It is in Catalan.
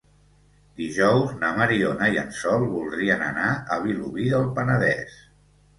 Dijous na Mariona i en Sol voldrien anar a Vilobí del Penedès.